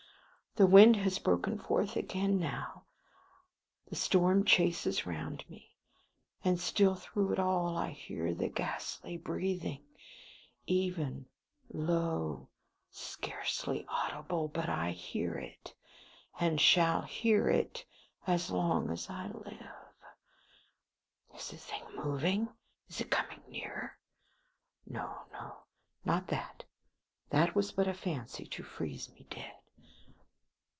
The wind has broken forth again now; the storm crashes round me. And still through it all I hear the ghastly breathing even, low, scarcely audible but I hear it. I shall hear it as long as I live! ... Is the thing moving? Is it coming nearer? No, no; not that, that was but a fancy to freeze me dead.